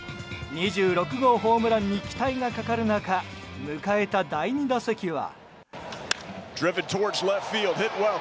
２６号ホームランに期待がかかる中迎えた第２打席は。